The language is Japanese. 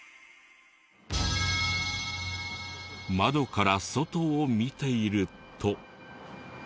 窓から外を見ていると。